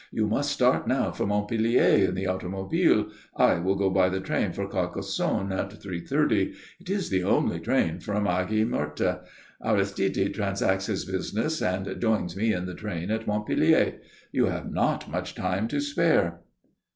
You must start now for Montpellier in the automobile. I will go by the train for Carcassonne at three thirty. It is the only train from Aigues Mortes. Aristide transacts his business and joins me in the train at Montpellier. You have not much time to spare."